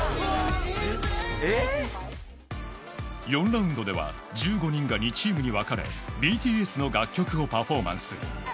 ４ラウンドでは、１５人が２チームにわかれＢＴＳの楽曲をパフォーマンス。